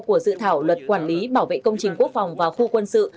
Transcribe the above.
của dự thảo luật quản lý bảo vệ công trình quốc phòng và khu quân sự